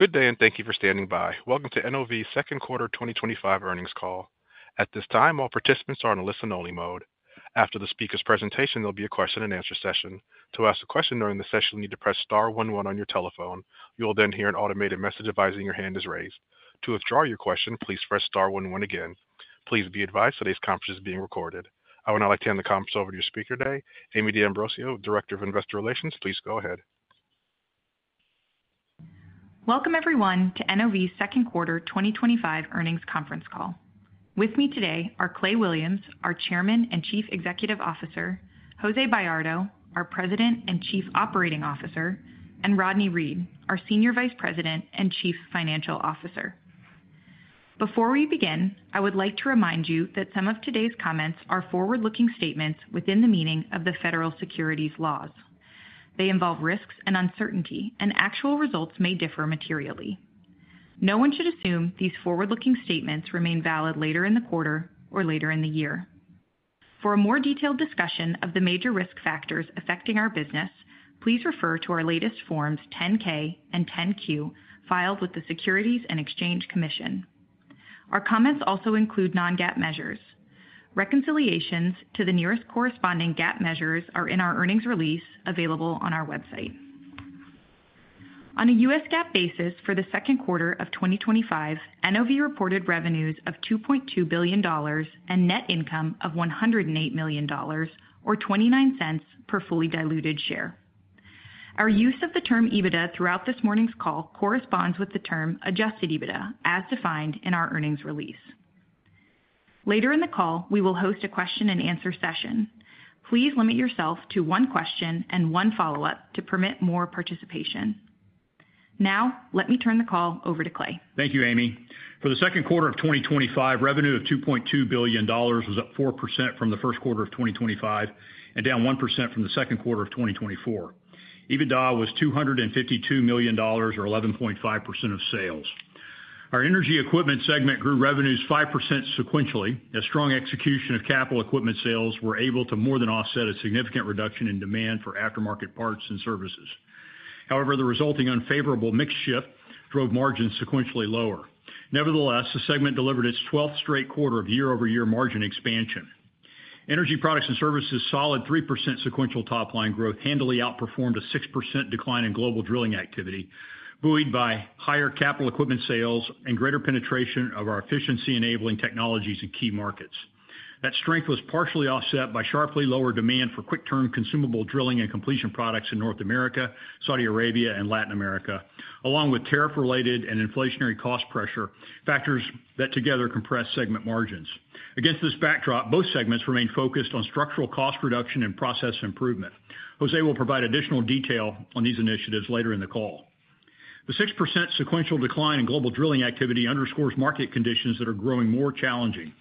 Good day, and thank you for standing by. Welcome to NOV Inc. second quarter 2025 earnings call. At this time, all participants are in a listen-only mode. After the speaker's presentation, there will be a question and answer session. To ask a question during the session, you need to press *11 on your telephone. You will then hear an automated message advising your hand is raised. To withdraw your question, please press *11 again. Please be advised today's conference is being recorded. I would now like to hand the conference over to your speaker today, Amy D’Ambrosio, Director of Investor Relations. Please go ahead. Welcome everyone to NOV’s second quarter 2025 earnings conference call. With me today are Clay Williams, our Chairman and Chief Executive Officer, Jose Bayardo, our President and Chief Operating Officer, and Rodney Reed, our Senior Vice President and Chief Financial Officer. Before we begin, I would like to remind you that some of today’s comments are forward-looking statements which, within the meaning of the federal securities laws, involve risks and uncertainty, and actual results may differ materially. No one should assume these forward-looking statements remain valid later in the quarter or later in the year. For a more detailed discussion of the major risk factors affecting our business, please refer to our latest Forms 10-K and 10-Q filed with the Securities and Exchange Commission. Our comments also include non-GAAP measures. Reconciliations to the nearest corresponding GAAP measures are in our earnings release available on our website. On a U.S. On a GAAP basis for the second quarter of 2025, NOV reported revenues of $2.2 billion and net income of $108 million, or $0.29 per fully diluted share. Our use of the term EBITDA throughout this morning’s call corresponds with the term adjusted EBITDA as defined in our earnings release. Later in the call, we will host a question and answer session. Please limit yourself to one question and one follow-up to permit more participation. Now, let me turn the call over to Clay. Thank you, Amy. For the second quarter of 2025, revenue of $2.2 billion was up 4% from the first quarter of 2025 and down 1% from the second quarter of 2024. EBITDA was $252 million, or 11.5% of sales. Our Energy Equipment segment grew revenues 5% sequentially as strong execution of capital equipment sales was able to more than offset a significant reduction in demand for aftermarket parts and services. However, the resulting unfavorable mix shift drove margins sequentially lower. Nevertheless, the segment delivered its 12th straight quarter of year-over-year margin expansion. Energy Products and Services’ solid 3% sequential top line growth handily outperformed a 6% decline in global drilling activity, buoyed by higher capital equipment sales and greater penetration of our efficiency-enabling technologies in key markets. That strength was partially offset by sharply lower demand for quick-turn consumable drilling and completion products in North America, Saudi Arabia, and Latin America, along with tariff-related and inflationary cost pressure factors that together compress segment margins. Against this backdrop, both segments remain focused on structural cost reduction and process improvement. Jose will provide additional detail on these initiatives later in the call. The 6% sequential decline in global drilling activity underscores market conditions that are growing more challenging.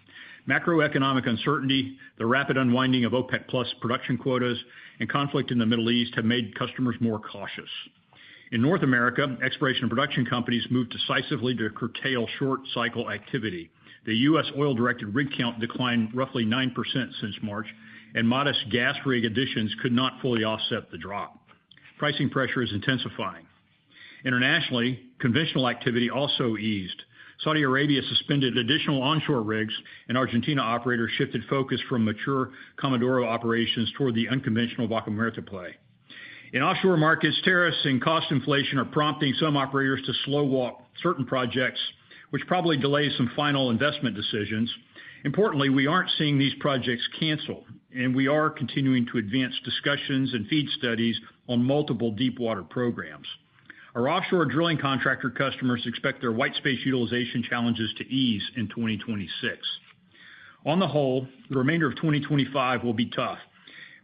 Macroeconomic uncertainty, the rapid unwinding of OPEC production quotas, and conflict in the Middle East have made customers more cautious. In North America, exploration and production companies moved decisively to curtail short-cycle activity. The U.S. oil-directed rig count declined roughly 9% since March, and modest gas rig additions could not fully offset the drop. Pricing pressure is intensifying. Internationally, conventional activity also eased. Saudi Arabia suspended additional onshore rigs, and Argentina operators shifted focus from mature Comodoro operations toward the unconventional Vaca Muerta play. In offshore markets, tariffs and cost inflation are prompting some operators to slow-walk certain projects, which will probably delay some final investment decisions. Importantly, we aren’t seeing these projects canceled, and we are continuing to advance discussions and FEED studies on multiple deepwater programs. Our offshore drilling contractor customers expect their white space utilization challenges to ease in 2026. On the whole, the remainder of 2025 will be tough.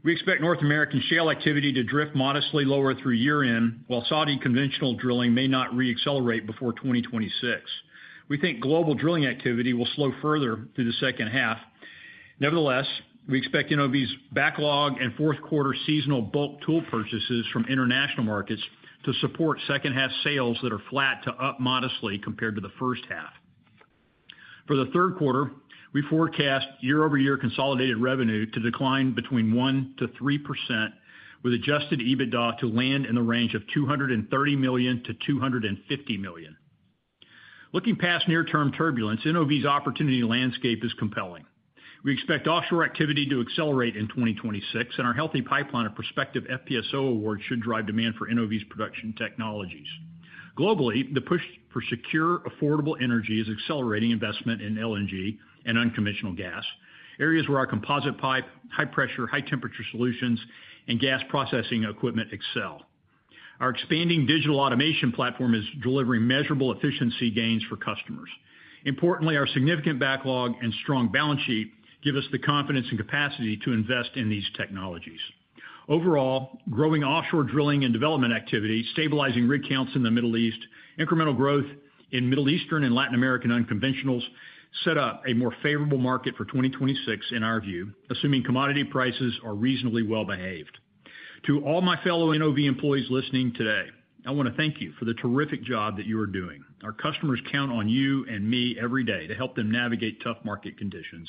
We expect North American shale activity to drift modestly lower through year-end. While Saudi conventional drilling may not reaccelerate before 2026, we think global drilling activity will slow further through the second half. Nevertheless, we expect NOV’s backlog and fourth-quarter seasonal bulk tool purchases from international markets to support second-half sales that are flat to up modestly compared to the first half. For the third quarter, we forecast year-over-year consolidated revenue to decline between 1% and 3%, with adjusted EBITDA to land in the range of $230 million to $250 million. Looking past near-term turbulence, NOV’s opportunity landscape is compelling. We expect offshore activity to accelerate in 2026, and our healthy pipeline of prospective FPSO awards should drive demand for NOV’s production technologies. Globally, the push for secure, affordable energy is accelerating investment in LNG and unconventional gas—areas where our composite pipe, high-pressure, high-temperature solutions and gas processing equipment excel. Our expanding digital automation platform is delivering measurable efficiency gains for customers. Importantly, our significant backlog and strong balance sheet give us the confidence and capacity to invest in these technologies. Overall, growing offshore drilling and development activity, stabilizing rig counts in the Middle East, and incremental growth in Middle Eastern and Latin American unconventionals set up a more favorable market for 2026 in our view, assuming commodity prices are reasonably well behaved. To all my fellow NOV employees listening today, I want to thank you for the terrific job that you are doing. Our customers count on you and me every day to help them navigate tough market conditions.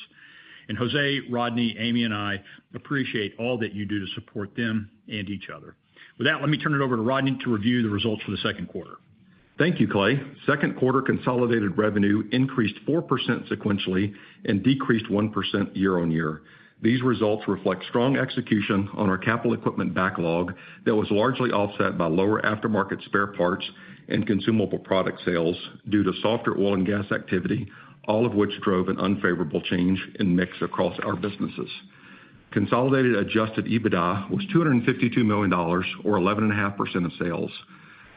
Jose, Rodney, Amy, and I appreciate all that you do to support them and each other. With that, let me turn it over to Rodney to review the results for the second quarter. Thank you, Clay. Second quarter consolidated revenue increased 4% sequentially and decreased 1% year over year. These results reflect strong execution on our capital equipment backlog that was largely offset by lower aftermarket spare parts and consumable product sales due to softer oil and gas activity, all of which drove an unfavorable change in mix across our businesses. Consolidated adjusted EBITDA was $252 million, or 11.5% of sales.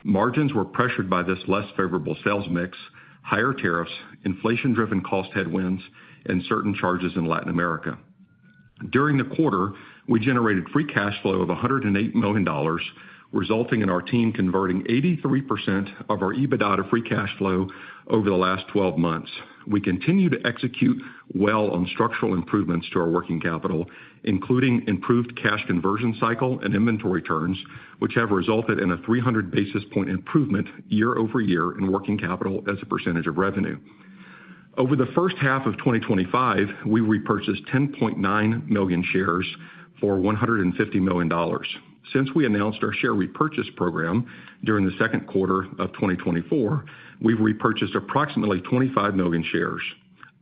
Margins were pressured by this less favorable sales mix, higher tariffs and inflation-driven cost headwinds, and certain charges in Latin America. During the quarter, we generated free cash flow of $108 million, resulting in our team converting 83% of our EBITDA to free cash flow over the last 12 months. We continue to execute well on structural improvements to our working capital, including improved cash conversion cycle and inventory turns, which have resulted in a 300-basis-point improvement year over year in working capital as a percentage of revenue. Over the first half of 2025, we repurchased 10.9 million shares for $150 million. Since we announced our share repurchase program during the second quarter of 2024, we’ve repurchased approximately 25 million shares.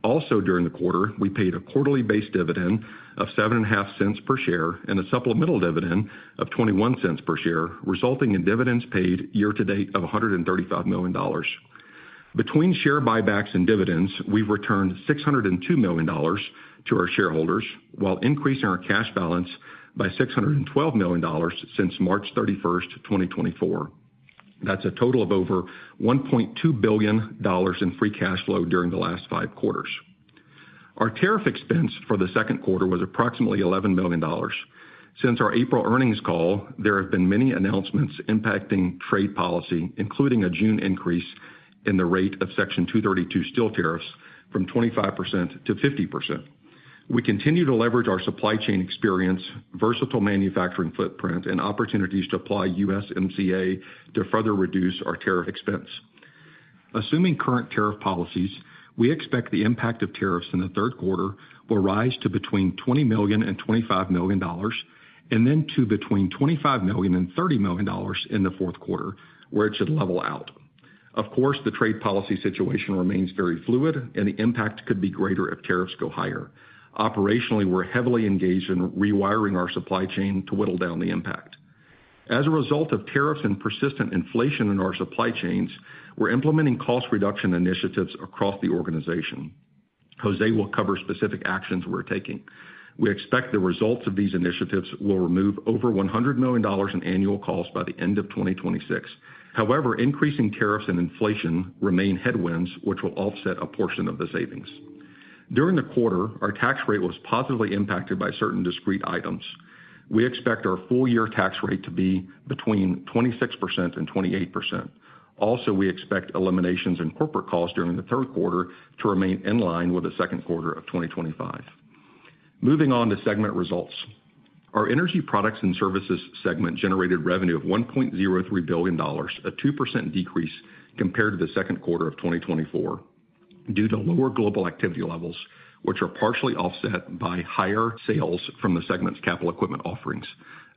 Also during the quarter, we paid a quarterly base dividend of $0.075 per share and a supplemental dividend of $0.21 per share, resulting in dividends paid year to date of $135 million. Between share buybacks and dividends, we’ve returned $602 million to our shareholders while increasing our cash balance by $612 million since March 31, 2024. That’s a total of over $1.2 billion in free cash flow during the last five quarter. Our tariff expense for the second quarter was approximately $11 million. Since our April earnings call, there have been many announcements impacting trade policy, including a June increase in the rate of Section 232 steel tariffs from 25% to 50%. We continue to leverage our supply chain experience, versatile manufacturing footprint, and opportunities to apply USMCA to further reduce our tariff expense. Assuming current tariff policies, we expect the impact of tariffs in the third quarter will rise to between $20 million and $25 million and then to between $25 million and $30 million in the fourth quarter, where it should level out. Of course, the trade policy situation remains very fluid, and the impact could be greater if tariffs go higher. Operationally, we’re heavily engaged in rewiring our supply chain to whittle down the impact as a result of tariffs and persistent inflation in our supply chains. We're implementing cost reduction initiatives across the organization. Jose will cover specific actions we're taking. We expect the results of these initiatives will remove over $100 million in annual cost by the end of 2026. However, increasing tariffs and inflation remain headwinds which will offset a portion of the savings. During the quarter, our tax rate was positively impacted by certain discrete items. We expect our full year tax rate to be between 26% and 28%. Also, we expect eliminations in corporate costs during the third quarter to remain in line with the second quarter of 2025. Moving on to segment results, our energy products and services segment generated revenue of $1.03 billion, a 2% decrease compared to the second quarter of 2024 due to lower global activity levels, which are partially offset by higher sales from the segment's capital equipment offerings.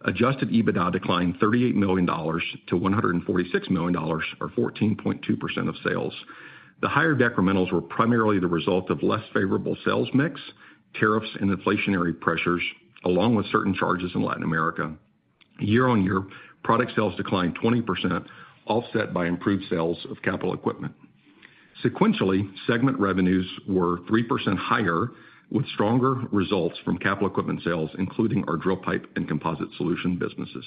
Adjusted EBITDA declined $38 million to $146 million, or 14.2% of sales. The higher decrementals were primarily the result of less favorable sales mix, tariffs, and inflationary pressures, along with certain charges. In Latin America, year over year, product sales declined 20%, offset by improved sales of capital equipment. Sequentially, segment revenues were 3% higher with stronger results from capital equipment sales, including our drill pipe and composite solution businesses.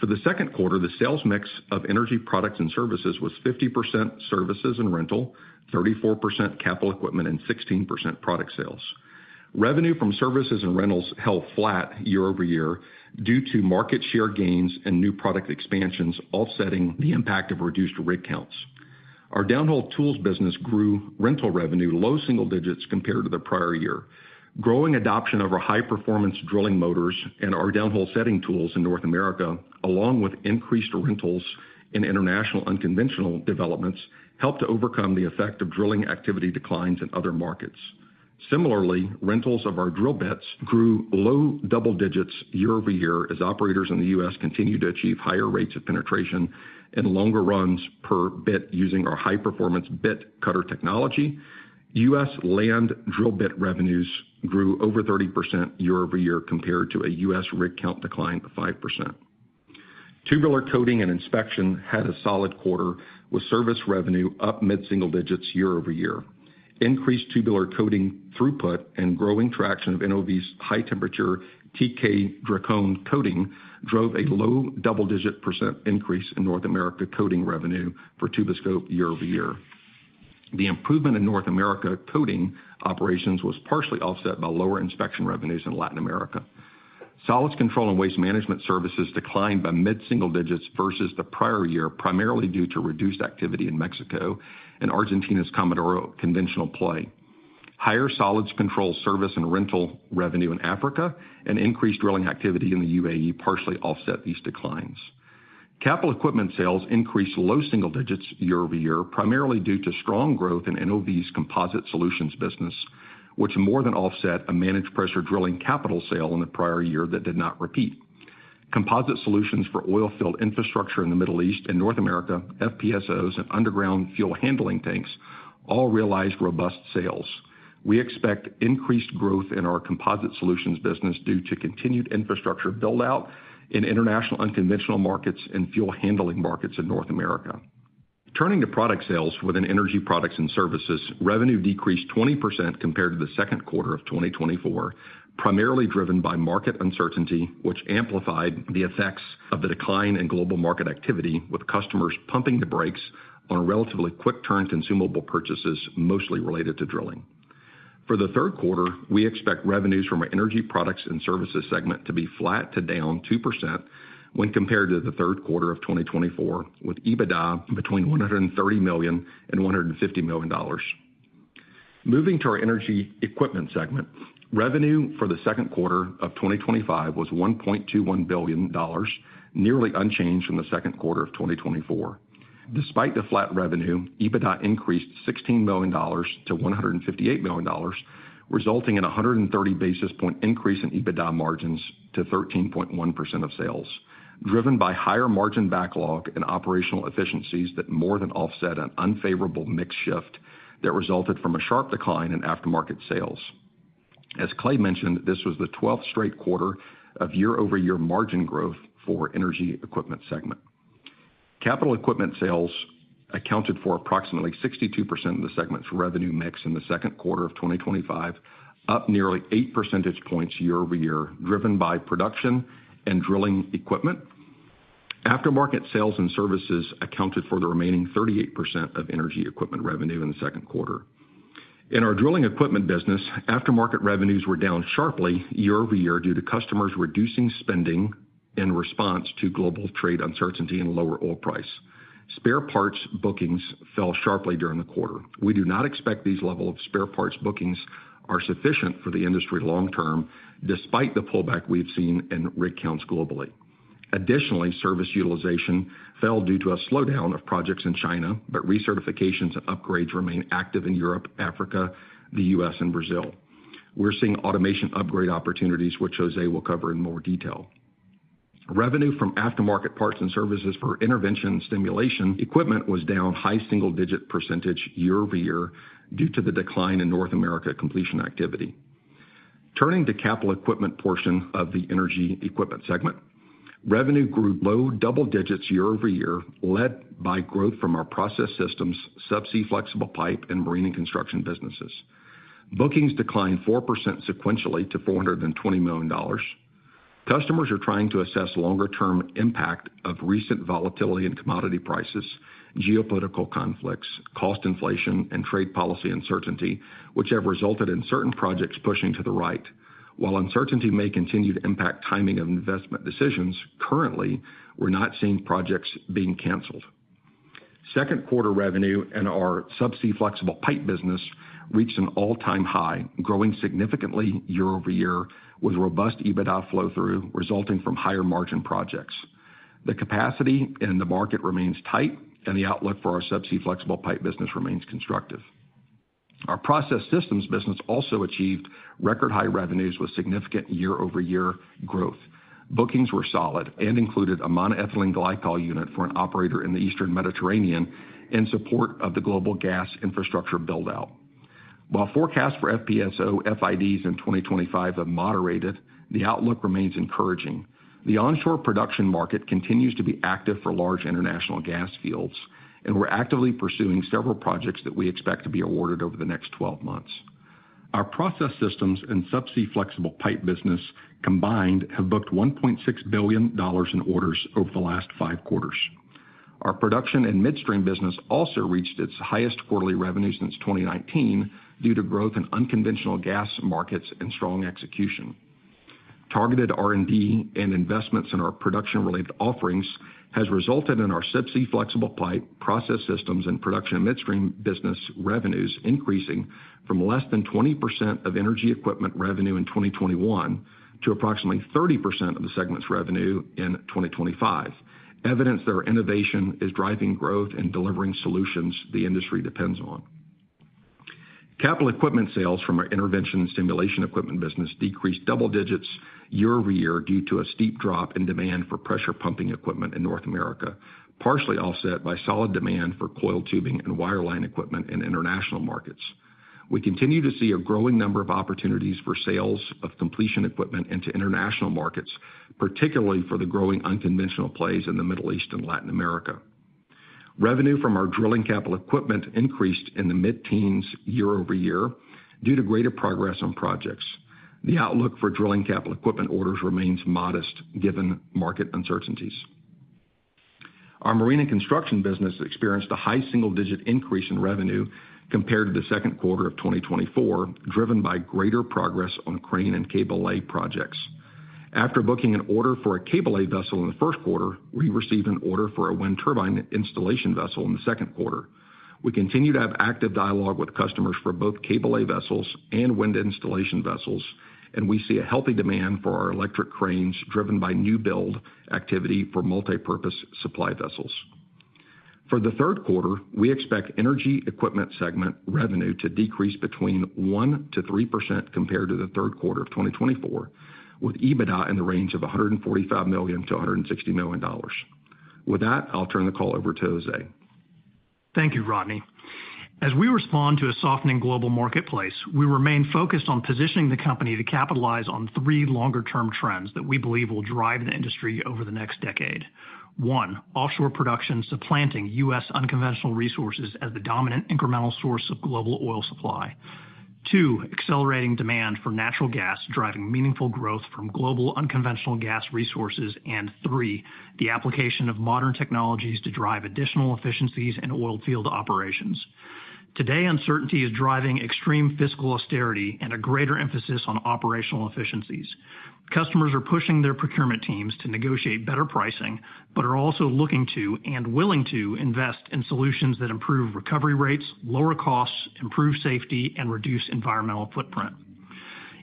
For the second quarter, the sales mix of Energy Products and Services was 50% services and rental, 34% capital equipment, and 16% product sales. Revenue from services and rentals held flat year over year due to market share gains and new product expansions, offsetting the impact of reduced rig counts. Our downhole tools business grew rental revenue low single digits compared to the prior year. Growing adoption of our high-performance drilling motors and our downhole setting tools in North America, along with increased rentals and international unconventional developments, helped to overcome the effect of drilling activity declines in other markets. Similarly, rentals of our drill bits grew low double digits year over year as operators in the U.S. continue to achieve higher rates of penetration and longer runs per bit using our high-performance bit cutter technology. U.S. land drill bit revenues grew over 30% year over year compared to a U.S. rig count decline of 5%. Tubular coating and inspection had a solid quarter, with service revenue up mid-single digits year over year. Increased tubular coating throughput and growing traction of NOV’s high-temperature TK Dracon coating drove a low-double-digit percentage increase in North America coating revenue for Tuboscope year over year. The improvement in North America coating operations was partially offset by lower inspection revenues in Latin America. Solids control and waste management services declined by mid-single digits versus the prior year, primarily due to reduced activity in Mexico and Argentina’s Comodoro conventional play. Higher solids control service and rental revenue in Africa and increased drilling activity in the UAE partially offset these declines. Capital equipment sales increased low single digits year over year, primarily due to strong growth in NOV’s composite solutions business, which more than offset a managed pressure drilling capital sale in the prior year that did not repeat. Composite solutions for oil field infrastructure in the Middle East and North America, FPSOs, and underground fuel handling tanks all realized robust sales. We expect increased growth in our composite solutions business due to continued infrastructure buildout and in international unconventional markets and fuel handling markets in North America. Turning to product sales within Energy Products and Services, revenue decreased 20% compared to the second quarter of 2024, primarily driven by market uncertainty, which amplified the effects of the decline in global market activity, with customers pumping the brakes on relatively quick-turn consumable purchases mostly related to drilling. For the third quarter, we expect revenues from our Energy Products and Services segment to be flat to down 2% when compared to the third quarter of 2024, with EBITDA between $130 million and $150 million. Moving to our Energy Equipment segment, revenue for the second quarter of 2025 was $1.21 billion, nearly unchanged from the second quarter of 2024. Despite the flat revenue, EBITDA increased $16 million to $158 million, resulting in a 130-basis-point increase in EBITDA margins to 13.1% of sales, driven by higher-margin backlog and operational efficiencies that more than offset an unfavorable mix shift resulting from a sharp decline in aftermarket sales. As Clay mentioned, this was the 12th straight quarter of year-over-year margin growth for the Energy Equipment segment. Capital equipment sales accounted for approximately 62% of the segment’s revenue mix in the second quarter of 2025, up nearly 8 percentage points year over year, driven by production and drilling equipment. Aftermarket sales and services accounted for the remaining 38% of Energy Equipment revenue in the second quarter. In our drilling equipment business, aftermarket revenues were down sharply year over year due to customers reducing spending. In response to global trade uncertainty and lower oil prices, spare parts bookings fell sharply during the quarter. We do not expect these levels of spare parts bookings are sufficient for the industry long term, despite the pullback we’ve seen in rig counts globally. Additionally, service utilization fell due to a slowdown of projects in China, but recertifications and upgrades remain active in Europe, Africa, the U.S., and Brazil. We’re seeing automation upgrade opportunities, which Jose will cover in more detail. Revenue from aftermarket parts and services for intervention stimulation equipment was down high single digits year over year due to the decline in North America completion activity. Turning to the capital equipment portion of the Energy Equipment segment, revenue grew low double digits year over year, led by growth from our process systems, subsea flexible pipe, and marine and construction businesses. Bookings declined 4% sequentially to $420 million. Customers are trying to assess the longer-term impact of recent volatility in commodity prices, geopolitical conflicts, cost inflation, and trade policy uncertainty, which have resulted in certain projects pushing to the right. While uncertainty may continue to impact the timing of investment decisions, we’re not currently seeing projects being canceled. Second quarter revenue in our subsea flexible pipe business reached an all-time high, growing significantly year over year with robust EBITDA flow-through resulting from higher-margin projects. The capacity in the market remains tight, and the outlook for our subsea flexible pipe business remains constructive. Our process systems business also achieved record-high revenues with significant year-over-year growth. Bookings were solid and included a monoethylene glycol unit for an operator in the Eastern Mediterranean in support of the global gas infrastructure buildout. While forecasts for FPSO FIDs in 2025 have moderated, the outlook remains encouraging. The onshore production market continues to be active for large international gas fields, and we’re actively pursuing several projects that we expect to be awarded over the next 12 months. Our process systems and subsea flexible pipe businesses combined have booked $1.6 billion in orders over the last five quarters. Our production and midstream business also reached its highest quarterly revenue since 2019 due to growth in unconventional gas markets and strong execution. Targeted R&D and investments in our production-related offerings have resulted in our SPC flexible pipe, process systems, and production midstream business revenues increasing from less than 20% of Energy Equipment revenue in 2021 to approximately 30% of the segment’s revenue in 2025, evidence that our innovation is driving growth and delivering solutions. These industries depend on capital equipment sales from our intervention stimulation equipment business, which decreased double digits year over year due to a steep drop in demand for pressure pumping equipment in North America, partially offset by solid demand for coiled tubing and wireline equipment in international markets. We continue to see a growing number of opportunities for sales of completion equipment into international markets, particularly for the growing unconventional plays in the Middle East and Latin America. Revenue from our drilling capital equipment increased in the mid-teens year over year due to greater progress on projects. The outlook for drilling capital equipment orders remains modest given market uncertainties. Our marine and construction business experienced a high single-digit increase in revenue compared to the second quarter of 2024, driven by greater progress on crane and cable lay projects. After booking an order for a cable lay vessel in the first quarter, we received an order for a wind turbine installation vessel in the second quarter. We continue to have active dialogue with customers for both cable lay vessels and wind installation vessels, and we see a healthy demand for our electric cranes driven by new build activity for multipurpose supply vessels. For the third quarter, we expect Energy Equipment segment revenue to decrease between 1% and 3% compared to the third quarter of 2024, with adjusted EBITDA in the range of $145 million to $160 million. With that, I’ll turn the call over to Jose. Thank you, Rodney. As we respond to a softening global marketplace, we remain focused on positioning the company to capitalize on three longer-term trends that we believe will drive the industry over the next decade. One, offshore production supplanting U.S. unconventional resources as the dominant incremental source of global oil supply; two, accelerating demand for natural gas driving meaningful growth from global unconventional gas resources; and three, the application of modern technologies to drive additional efficiencies in oilfield operations. Today, uncertainty is driving extreme fiscal austerity and a greater emphasis on operational efficiencies. Customers are pushing their procurement teams to negotiate better pricing but are also looking to and willing to invest in solutions that improve recovery rates, lower costs, improve safety, and reduce environmental footprint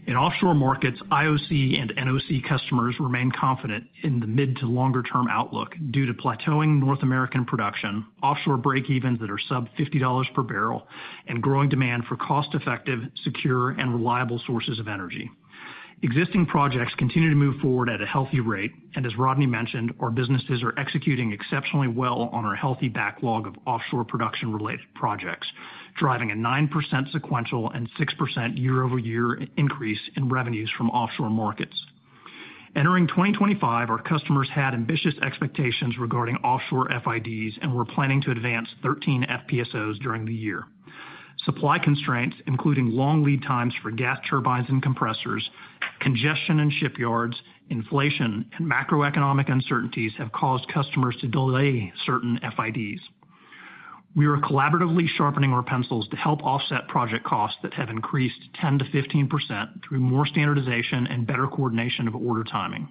in offshore markets. IOC and NOC customers remain confident in the mid- to longer-term outlook due to plateauing North American production, offshore break-evens that are below $50 per barrel, and growing demand for cost-effective, secure, and reliable sources of energy. Existing projects continue to move forward at a healthy rate, and as Rodney mentioned, our businesses are executing exceptionally well on our healthy backlog of offshore production-related projects—projects driving a 9% sequential and 6% year-over-year increase in revenues from offshore markets entering 2025. Our customers had ambitious expectations regarding offshore FIDs and were planning to advance 13 FPSOs during the year. Supply constraints, including long lead times for gas turbines and compressors, congestion in shipyards, inflation, and macroeconomic uncertainties, have caused customers to delay certain FIDs. We are collaboratively sharpening our pencils to help offset project costs that have increased 10% to 15% through more standardization and better coordination of order timing.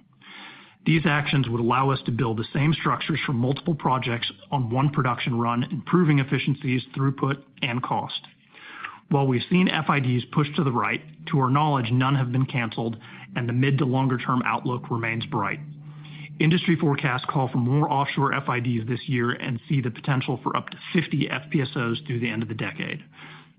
These actions would allow us to build the same structures for multiple projects in one production run, improving efficiencies, throughput, and cost. While we’ve seen FIDs push to the right, to our knowledge none have been canceled, and the mid- to longer-term outlook remains bright. Industry forecasts call for more offshore FIDs this year and see the potential for up to 50 FPSOs through the end of the decade.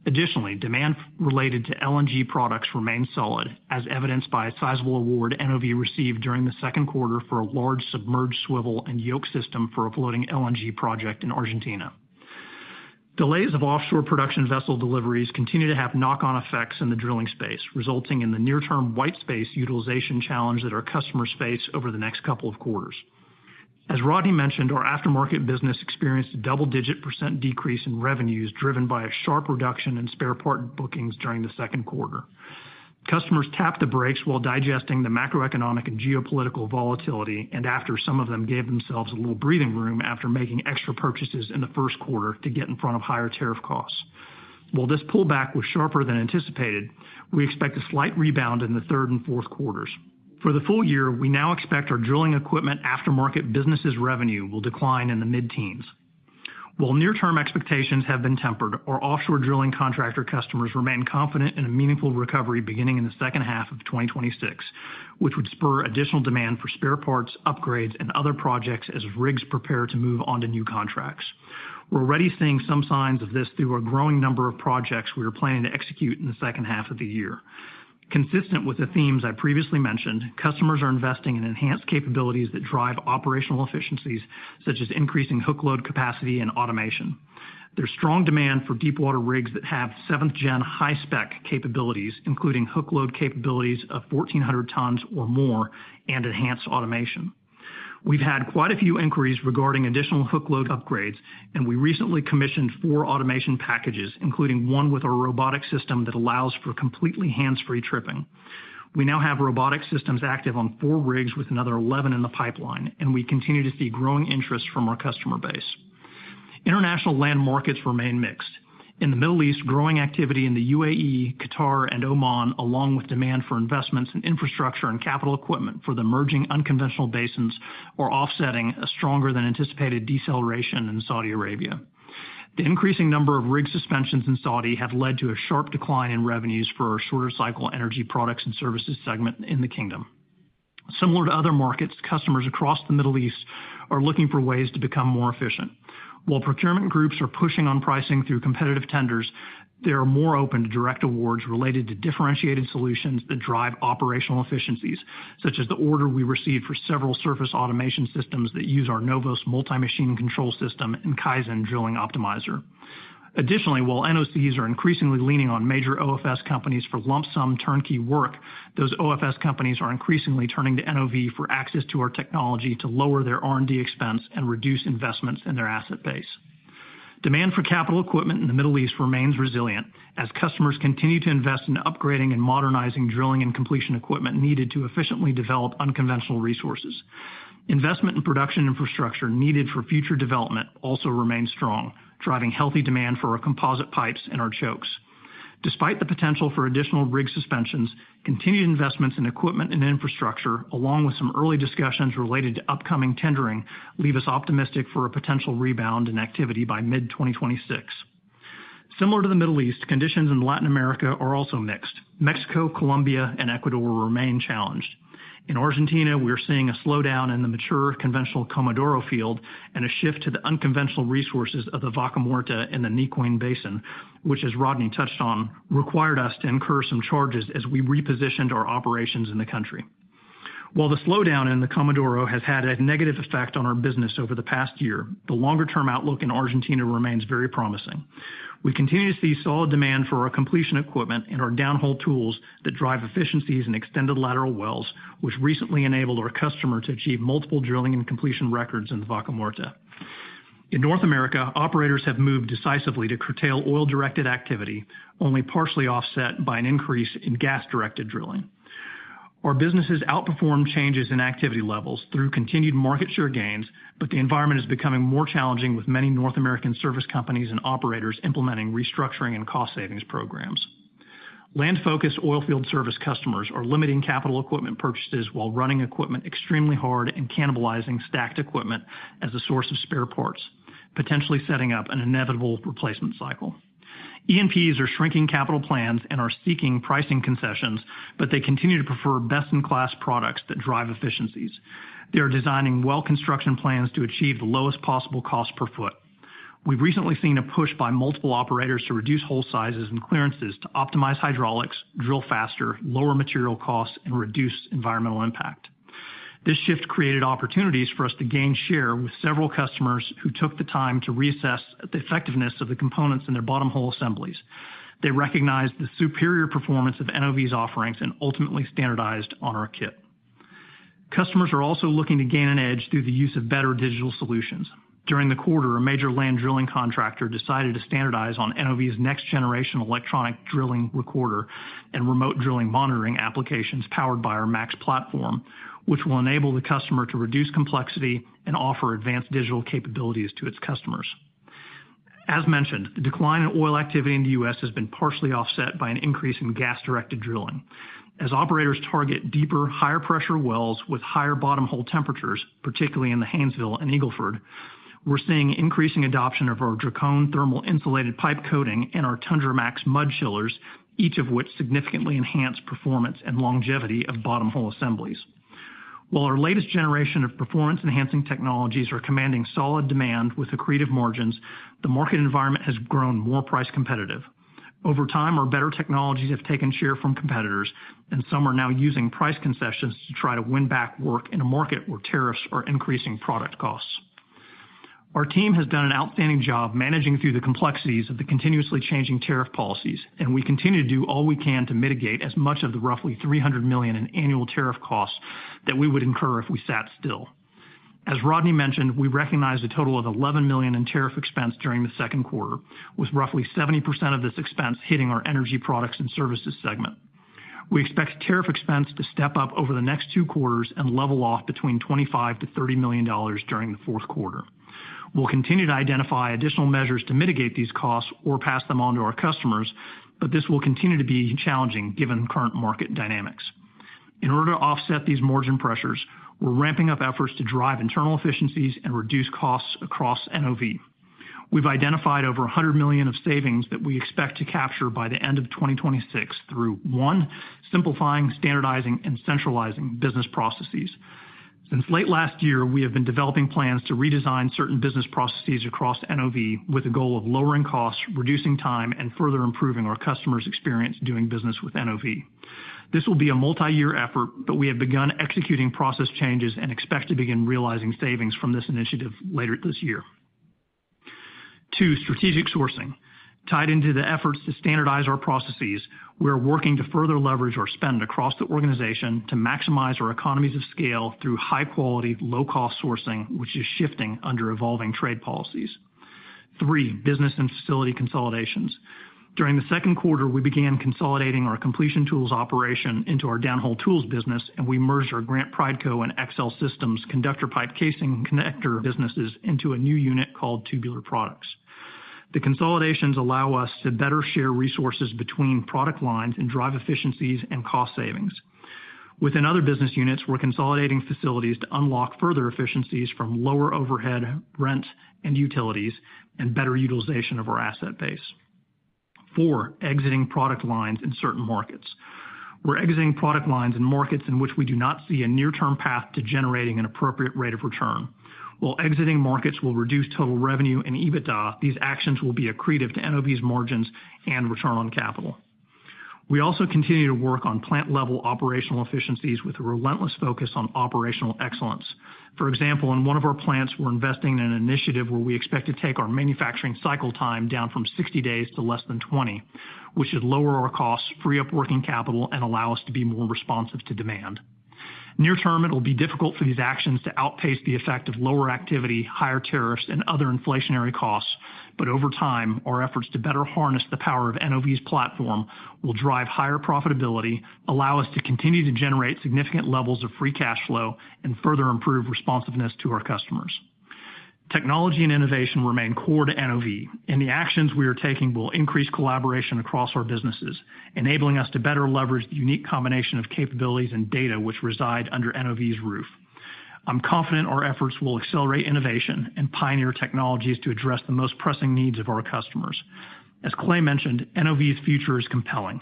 Additionally, demand related to LNG projects remains solid, as evidenced by a sizable award NOV received during the second quarter for a large submerged swivel and yoke system for a floating LNG project in Argentina. Delays of offshore production vessel deliveries continue to have knock-on effects in the drilling space, resulting in the near-term white space utilization challenge that our customers face over the next couple of quarters. As Rodney mentioned, our aftermarket business experienced a double-digit percentage decrease in revenues driven by a sharp reduction in spare parts bookings during the second quarter. Customers tapped the brakes while digesting the macroeconomic and geopolitical volatility and after some of them gave themselves a little breathing room after making extra purchases in the first quarter to get ahead of higher tariff costs. While this pullback was sharper than anticipated, we expect a slight rebound in the third and fourth quarters. For the full year, we now expect our drilling equipment aftermarket business revenue to decline in the mid-teens percentage. While near-term expectations have been tempered, our offshore drilling contractor customers remain confident in a meaningful recovery beginning in the second half of 2026, which would spur additional demand for spare parts, upgrades, and other projects as rigs prepare to move on to new contracts. We’re already seeing some signs of this through a growing number of projects we are planning to execute in the second half of the year. Consistent with the themes I previously mentioned, customers are investing in enhanced capabilities that drive operational efficiencies, such as increasing hook load capacity and automation. There’s strong demand for deepwater rigs that have seventh-generation high-spec capabilities, including hook load capacities of 1,400 tons or more and enhanced automation. We’ve had quite a few inquiries regarding additional hook load upgrades, and we recently commissioned four automation packages, including one with our robotic system that allows for completely hands-free tripping. We now have robotic systems active on four rigs with another 11 in the pipeline, and we continue to see growing interest from our customer base. International land markets remain mixed in the Middle East. Growing activity in the UAE, Qatar, and Oman, along with demand for investments in infrastructure and capital equipment for the emerging unconventional basins, are offsetting a stronger-than-anticipated deceleration in Saudi Arabia. The increasing number of rig suspensions in Saudi has led to a sharp decline in revenues for our shorter-cycle Energy Products and Services segment in the Kingdom. Similar to other markets, customers across the Middle East are looking for ways to become more efficient, while procurement groups are pushing on pricing through competitive tenders. They are more open to direct awards related to differentiated solutions that drive operational efficiencies, such as the order we received for several surface automation systems that use our NOVOS Multi-Machine Control System and Kaizen Drilling Optimizer. Additionally, while NOCs are increasingly leaning on major OFS companies for lump-sum turnkey work, those OFS companies are increasingly turning to NOV for access to our technology to lower their R&D expenses and reduce investments in their asset base. Demand for capital equipment in the Middle East remains resilient as customers continue to invest in upgrading and modernizing drilling and completion equipment needed to efficiently develop unconventional resources. Investment in production infrastructure needed for future development also remains strong, driving healthy demand for our composite pipes and our chokes. Despite the potential for additional rig suspensions, continued investments in equipment and infrastructure, along with some early discussions related to upcoming tendering, leave us optimistic for a potential rebound in activity by mid-2026. Similar to the Middle East, conditions in Latin America are also mixed. Mexico, Colombia, and Ecuador remain challenged. In Argentina, we are seeing a slowdown in the mature conventional Comodoro field and a shift to the unconventional resources of the Vaca Muerta and the Nicoine Basin, which, as Rodney Reed touched on, required us to incur some charges as we repositioned our operations in the country. While the slowdown in Comodoro has had a negative effect on our business over the past year, the longer-term outlook in Argentina remains very promising. We continue to see solid demand for our completion equipment and our downhole tools that drive efficiencies in extended lateral wells, which recently enabled our customer to achieve multiple drilling and completion records in the Vaca Muerta. In North America, operators have moved decisively to curtail oil-directed activity, only partially offset by an increase in gas-directed drilling. Our businesses outperformed changes in activity levels through continued market share gains, but the environment is becoming more challenging, with many North American service companies and operators implementing restructuring and cost-savings programs. Land-focused oilfield service customers are limiting capital equipment purchases while running equipment extremely hard and cannibalizing stacked equipment as a source of spare parts, potentially setting up an inevitable replacement cycle. E&Ps are shrinking capital plans and are seeking pricing concessions, but they continue to prefer best-in-class products that drive efficiencies. They are designing well construction plans to achieve the lowest possible cost per foot. We’ve recently seen a push by multiple operators to reduce hole sizes and clearances to optimize hydraulics, drill faster, lower material costs, and reduce environmental impact. This shift created opportunities for us to gain share with several customers who took the time to reassess the effectiveness of the components in their bottom hole assemblies. They recognized the superior performance of NOV’s offerings and ultimately standardized on our kit. Customers are also looking to gain an edge through the use of better digital solutions. During the quarter, a major land drilling contractor decided to standardize on NOV’s next-generation electronic drilling recorder and remote drilling monitoring applications powered by our MAX data platform, which will enable the customer to reduce complexity and offer advanced digital capabilities to its customers. As mentioned, the decline in oil activity in the U.S. has been partially offset by an increase in gas-directed drilling as operators target deeper, higher-pressure wells with higher bottom hole temperatures, particularly in the Haynesville and Eagle Ford. We're seeing increasing adoption of our Dracon thermal-insulated pipe coating and our Tundra Max mud chillers, each of which significantly enhance the performance and longevity of bottom hole assemblies. While our latest generation of performance-enhancing technologies is commanding solid demand with accretive margins, the market environment has grown more price competitive over time. Our better technologies have taken share from competitors, and some are now using price concessions to try to win back work in a market where tariffs are increasing product costs. Our team has done an outstanding job managing through the complexities of continuously changing tariff policies, and we continue to do all we can to mitigate as much of the roughly $300 million in annual tariff costs that we would incur if we sat still. As Rodney mentioned, we recognized a total of $11 million in tariff expense during the second quarter, with roughly 70% of this expense hitting our Energy Products and Services segment. We expect tariff expense to step up over the next two quarters and level off between $25 million and $30 million during the fourth quarter. We’ll continue to identify additional measures to mitigate these costs or pass them on to our customers, but this will continue to be challenging given current market dynamics. In order to offset these margin pressures, we’re ramping up efforts to drive internal efficiencies and reduce costs across NOV. We’ve identified over $100 million of savings that we expect to capture by the end of 2026 through: one, simplifying, standardizing, and centralizing business processes. Sinc late last year, we have been developing plans to redesign certain business processes across NOV with the goal of lowering costs, reducing time, and further improving our customers’ experience doing business with NOV. This will be a multiyear effort, but we have begun executing process changes and expect to begin realizing savings from this initiative later this year. Two. Strategic sourcing—tied into the efforts to standardize our processes, we are working to further leverage our spend across the organization to maximize our economies of scale through high-quality, low-cost sourcing, which is shifting under evolving trade policies. Business and facility consolidations—during the second quarter, we began consolidating our Completion Tools operation into our Downhole Tools business, and we merged our Grant Prideco and XL Systems Conductor Pipe casing connector businesses into a new unit called Tubular Products. The consolidations allow us to better share resources between product lines and drive efficiencies and cost savings within other business units. We’re consolidating facilities to unlock further efficiencies from lower overhead, rent, and utilities, and better utilization of our asset base. Four. Exiting product lines in certain markets—we’re exiting product lines in markets in which we do not see a near-term path to generating an appropriate rate of return. While exiting markets will reduce total revenue and EBITDA, these actions will be accretive to NOV’s margins and return on capital. We also continue to work on plant-level operational efficiencies with a relentless focus on operational excellence. For example, in one of our plants, we’re investing in an initiative where we expect to take our manufacturing cycle time down from 60 days to less than 20, which should lower our costs, free up working capital, and allow us to be more responsive to demand. Near term, it will be difficult for these actions to outpace the effect of lower activity, higher tariffs, and other inflationary costs. Over time, our efforts to better harness the power of NOV’s platform will drive higher profitability, allow us to continue to generate significant levels of free cash flow, and further improve responsiveness to our customers. Technology and innovation remain core to NOV, and the actions we are taking will increase collaboration across our businesses, enabling us to better leverage the unique combination of capabilities and data that reside under NOV’s roof. I’m confident our efforts will accelerate innovation and pioneer technologies to address the most pressing needs of our customers. As Clay mentioned, NOV’s future is compelling.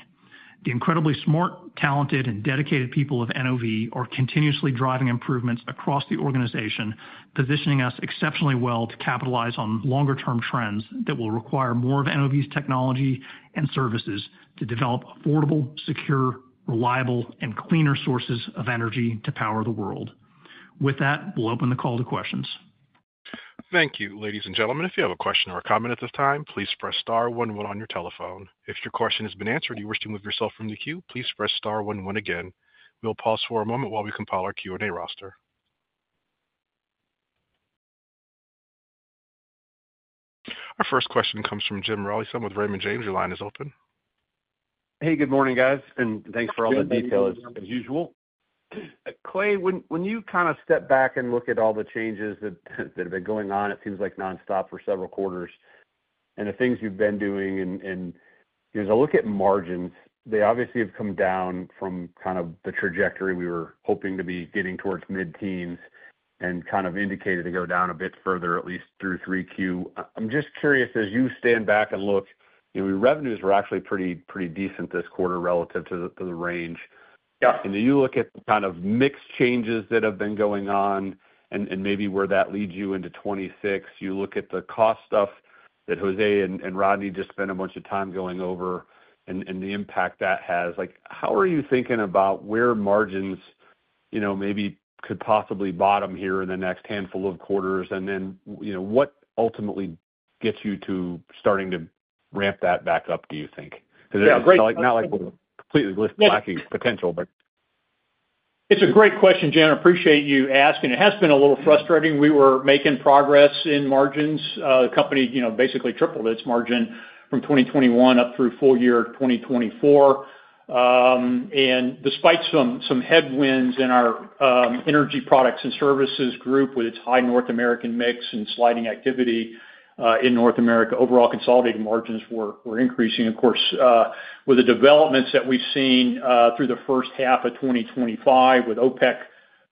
The incredibly smart, talented, and dedicated people of NOV are continuously driving improvements across the organization, positioning us exceptionally well to capitalize on longer-term trends that will require more of NOV’s technology and services to develop affordable, secure, reliable, and cleaner sources of energy to power the world. With that, we’ll open the call to questions. With that, we'll open the call to questions. Thank you, ladies and gentlemen. If you have a question or a comment at this time, please press Star one one on your telephone. If your question has been answered and you wish to remove yourself from the queue, please press Star one one again. We'll pause for a moment while we compile our Q&A roster. Our first question comes from Jim Ralston with Raymond James. Your line is open. Hey, good morning guys, and thanks for all the detail as usual. Clay, when you kind of step back and look at all the changes that have been going on, it seems like nonstop for several quarters and the things you've been doing. As I look at margins, they. Obviously have come down from kind of The trajectory we were hoping to be getting towards mid-teens and kind of indicated to go down a bit further. At least through 3Q, I'm just curious as you stand back. Revenues were actually pretty decent this quarter relative to the range. You look at kind of mix changes that have been going on, and maybe where that leads you into 2026. You look at the cost stuff. Jose and Rodney just spent a bunch of time going over and the impact that has. How are you thinking about where margins maybe could possibly bottom here in the next handful of quarters, and then what? Ultimately gets you to starting to ramp. That back up, do you think? Not like we're completely lacking potential. It’s a great question, Jim. Appreciate you asking. It has been a little frustrating. We were making progress in margins. The company basically tripled its margin from 2021 up through full year 2024. Despite some headwinds in our Energy Products and Services group, with its high North American mix and sliding activity in North America, overall consolidated margins were increasing. Of course, with the developments that we’ve seen through the first half of 2025 — with OPEC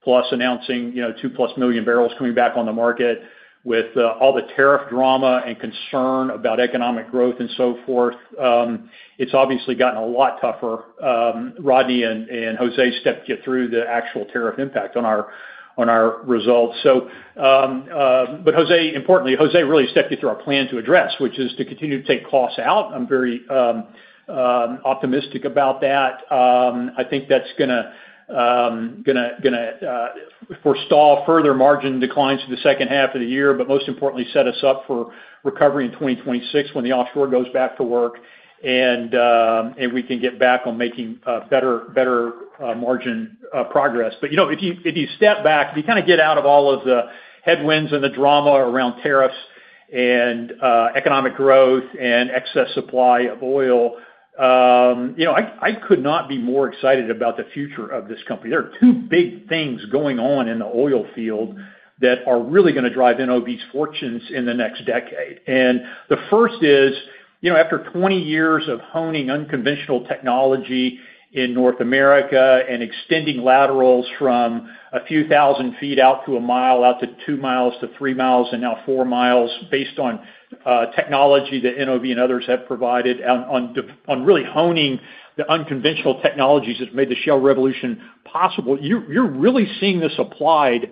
announcing 2+ million barrels coming back on the market, with all the tariff drama and concern about economic growth and so forth — it’s obviously gotten a lot tougher. Rodney and Jose stepped you through the actual tariff impact on our results. Importantly, Jose really stepped you through our plan to address, which is to continue to take costs out. I'm very optimistic about that. I think that’s going to forestall further margin declines for the second half of the year and, most importantly, set us up for recovery in 2026 when the offshore goes back to work and we can get back to making better margin progress. If you step back — we kind of get out of all of the headwinds and the drama around tariffs and economic growth and excess supply of oil — I could not be more excited about the future of this company. There are two big things going on in the oil field that are really going to drive NOV’s fortunes in the next decade. The first is, after 20 years of honing unconventional technology in North America and extending laterals from a few thousand feet out to a mile, out to 2 miles to 3 miles and now 4 miles — based on technology that NOV and others have provided on really honing the unconventional technologies that have made the shale revolution possible — you’re really seeing this applied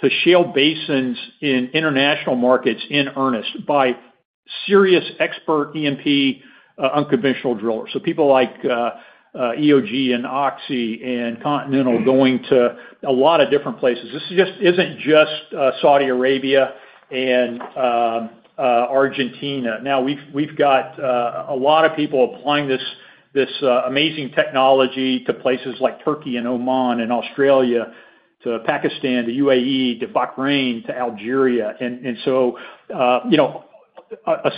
to shale basins in international markets in earnest by serious expert E&P unconventional drillers. People like EOG, Oxy, and Continental are going to a lot of different places. This isn’t just Saudi Arabia and Argentina; now we’ve got a lot of people applying this amazing technology to places like Turkey and Oman and Australia to Pakistan to UAE to Bahrain to Algeria. I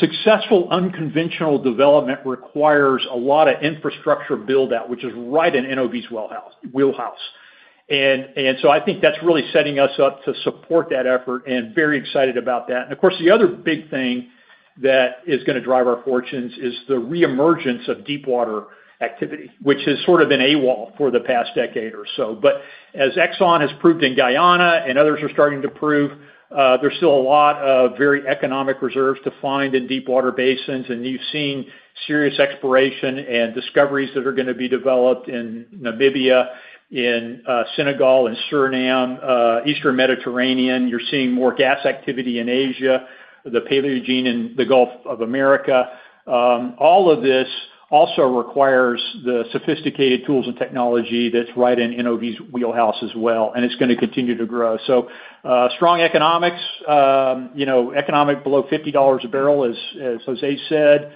think that’s really setting us up to support that effort, and I’m very excited about that. Of course, the other big thing that is going to drive our fortunes is the reemergence of deepwater activity, which has sort of been AWOL for the past decade or so. As Exxon has proved in Guyana and others are starting to prove, there are still a lot of very economic reserves to find in deepwater basins. You’ve seen serious exploration and discoveries that are going to be developed in Namibia, in Senegal and Suriname, in the eastern Mediterranean. You’re seeing more gas activity in Asia, the Paleogene in the Gulf of America. All of this also requires the sophisticated tools and technology that’s right in NOV’s wheelhouse as well, and it’s going to continue to grow. Strong economics — you know, economic below 50 dollars a barrel — as Jose said,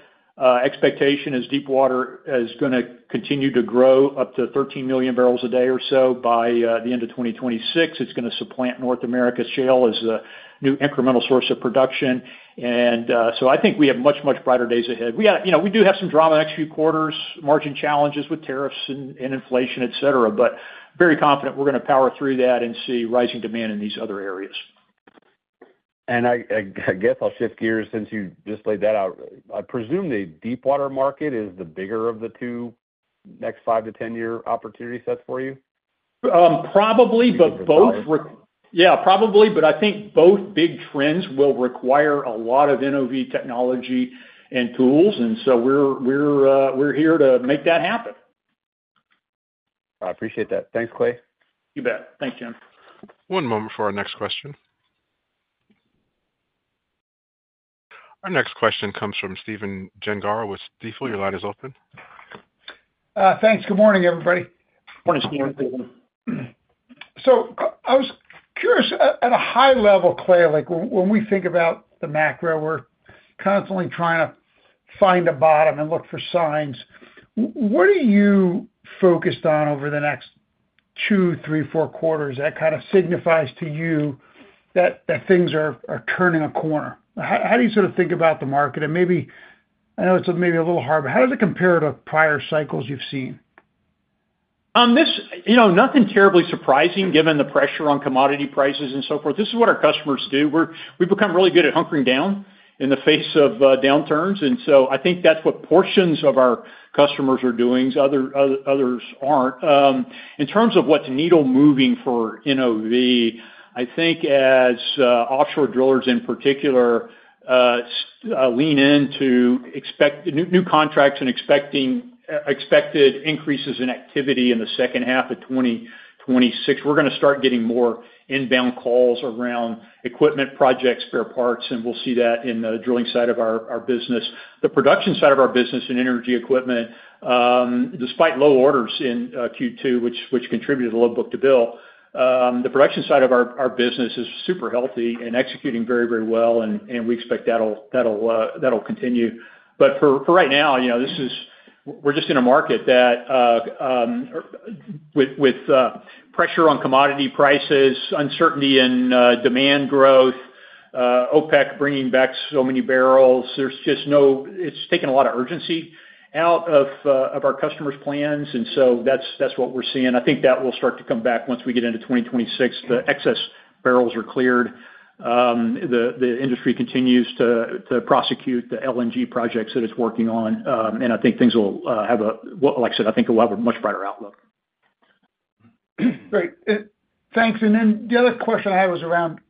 expectation is deepwater is going to continue to grow up to 13 million barrels a day or so by the end of 2026. It’s going to support North America shale as the new incremental source of production. I think we have much, much brighter days ahead. We do have some drama in the next few quarters — margin challenges with tariffs and inflation, etc. — but very confident we’re going to power through that and see rising demand in these other areas. I guess I’ll shift gears since you just laid that out. I presume the deepwater market is the bigger of the two next five to ten year opportunity sets for you. Probably, but both? Yeah, probably. I think both big trends will require a lot of NOV technology and tools, and we're here to make that happen. I appreciate that. Thanks, Clay. You bet. Thanks, Jim. One moment for our next question. Our next question comes from Stephen Gengaro with Stifel. Your line is open. Thanks. Good morning, everybody. I was curious at a high level, Clay — when we think about the macro, we’re constantly trying to find a bottom and look for signs. What are you focused on over the next two, three, four quarters that kind of signifies to you that things are turning a corner? How do you sort of think about the market? Maybe — I know it's maybe a little hard — but how does it compare to prior cycles? You've seen. Nothing terribly surprising given the pressure on commodity prices and so forth. This is what our customers do. We’ve become really good at hunkering down in the face of downturns. I think that’s what portions of our customers are doing — others aren’t. For right now, we’re just in a market where, with pressure on commodity prices, uncertainty in demand growth, and OPEC bringing back so many barrels, it’s taken a lot of urgency out of our customers’ plans — and that’s what we’re seeing. I think that will start to come back once we get into 2026. As the excess barrels are cleared and the industry continues to prosecute the LNG projects it’s working on, I think things will have — like I said — a much better outlook. Great, thanks. The other question I had was around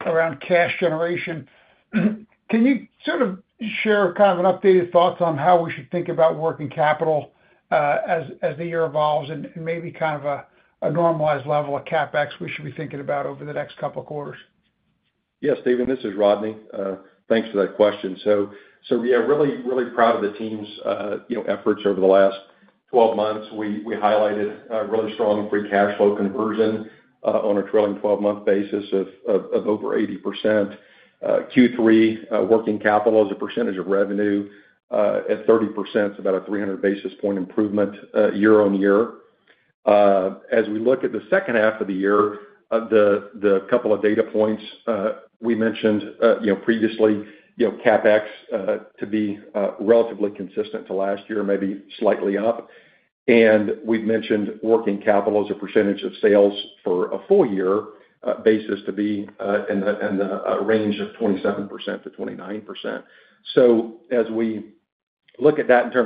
cash generation. Can you share some updated thoughts on how we should think about working capital as the year evolves and maybe a normalized level of CapEx we should be considering over the next couple of quarters? Yes. Stephen, this is Rodney. Thanks for that question. Really, really proud of the team’s efforts over the last 12 months have been strong. We highlighted really strong free cash flow conversion on a trailing twelve-month basis of over 80%. Q3 working capital as a percentage of revenue was 30%, about a 300-basis-point improvement year over year. In terms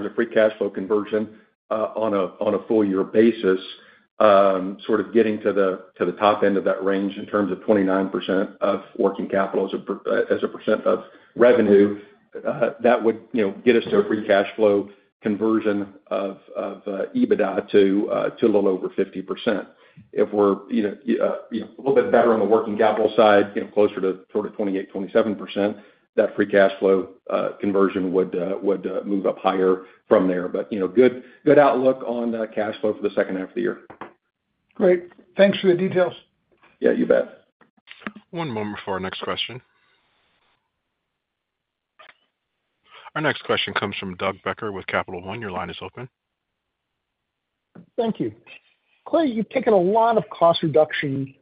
of free cash flow conversion on a full-year basis, getting to the top end of that range — around 29% of working capital as a percent of revenue — would get us to a free cash flow conversion of EBITDA of a little over 50%. If we’re a little bit better on the working capital side, closer to 28% or 27%, that free cash flow conversion would move up from there. Overall, it’s a good outlook on cash flow for the second half of the year. Great. Thanks for the details. Yeah, you bet. One moment for our next question. Our next question comes from Doug Becker with Capital One. Your line is open. Thank you. Clay, you've taken a lot of cost reduction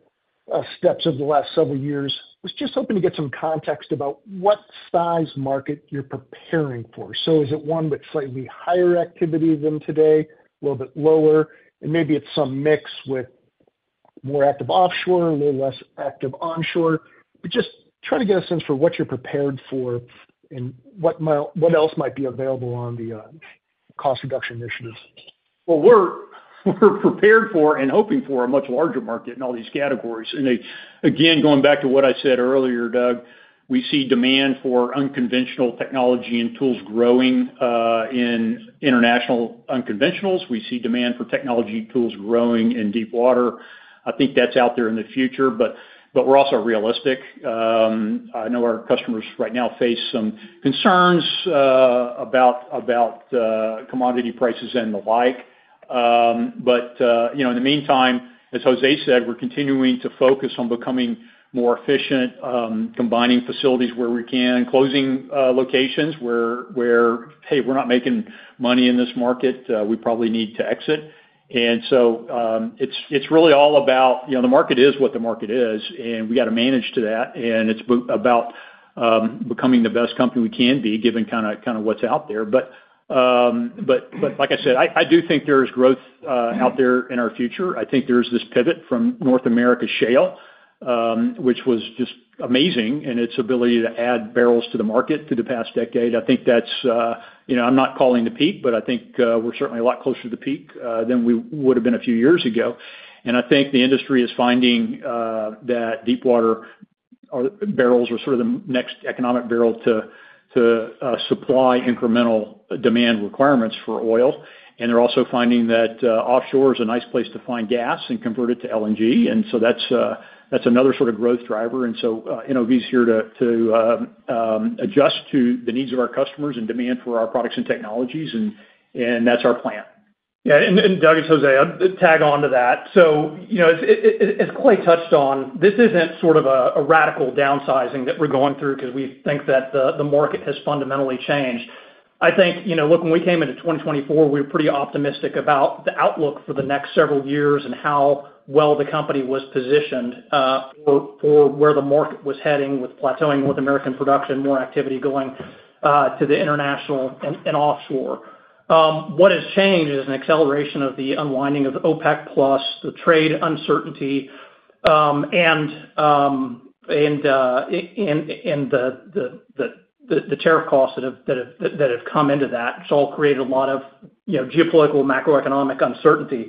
steps over the last several years. Was just hoping to get some context. About what size market you're preparing for. Is it one with slightly higher activity than today, a little bit lower, and maybe it's some mix with more active offshore? Little less active onshore, just trying. To get a sense for what you're. Prepared for what else might be. Available on the cost reduction initiative? We are prepared for and hoping for a much larger market in all these categories. Again, going back to what I said earlier, Doug, we see demand for unconventional technology and tools growing in international unconventionals. We also see demand for technology and tools growing in deepwater, and I think that’s out there in the future. Like I said, I do think there is growth out there in our future. I think there’s a pivot from North American shale, which was just amazing in its ability to add barrels to the market over the past decade. I’m not calling the peak, but I think we’re certainly a lot closer to the peak than we would have been a few years ago. Yes. Doug, it's to tag on to that. As Clay touched on, this isn't sort of a radical downsizing that we're going through because we think that the market has fundamentally changed. I think, look, when we came into 2024, we were pretty optimistic about the outlook for the next several years and how well the company was positioned for where the market was heading with plateauing with American production, more activity going to the international and offshore. What has changed is an acceleration of the unwinding of OPEC plus the trade uncertainty and the tariff costs that have come into that. It's all created a lot of geopolitical macroeconomic uncertainty.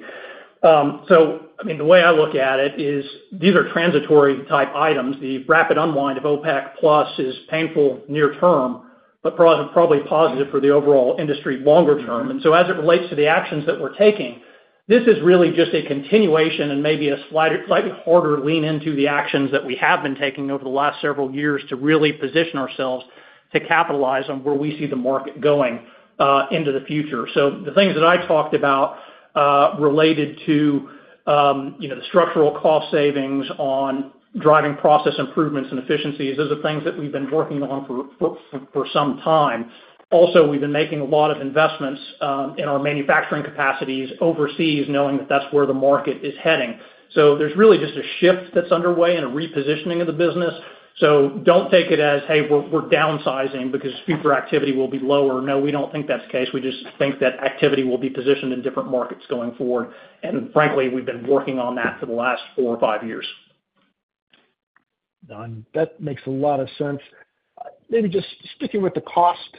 The way I look at it is these are transitory type items. The rapid unwind of OPEC is painful. Near term, probably positive for the overall industry longer term. As it relates to the actions that we're taking, this is really just a continuation and maybe a slightly harder lean into the actions that we have been taking over the last several years to really position ourselves to capitalize on where we see the market going into the future. The things that I talked about related to the structural cost savings on driving process improvements and efficiencies are things that we've been working on for some time. Also, we've been making a lot of investments in our manufacturing capacities overseas, knowing that that's where the market is heading. There's really just a shift that's underway and a repositioning of the business. Don't take it as, hey, we're downsizing because future activity will be lower. No, we don't think that's the case. We just think that activity will be positioned in different markets going forward. Frankly, we've been working on that. For the last four or five years. that makes a lot of sense. Maybe just sticking with the cost.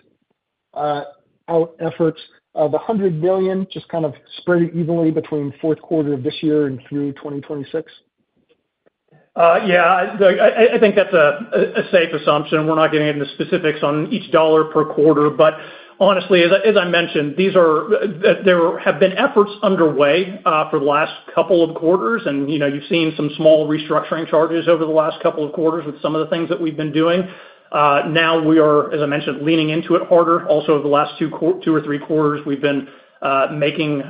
The $100 billion just kind of spread evenly between fourth quarter of this year and through 2026. Yeah, I think that's a safe assumption. We're not getting into specifics on each dollar per quarter. Honestly, as I mentioned, there have been efforts underway for the last couple of quarters and you've seen some small restructuring charges over the last couple of quarters with some of the things that we've been doing. Now we are, as I mentioned, leaning into it harder. Also, the last two or three quarters we've been making